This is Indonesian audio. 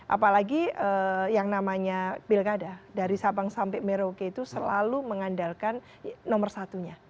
apalagi yang namanya pilkada dari sabang sampai merauke itu selalu mengandalkan nomor satunya